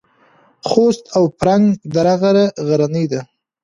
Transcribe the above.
خوست او فرنګ دره غرنۍ ده؟